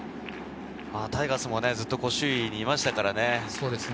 タイガースもずっと首位にいましたからね。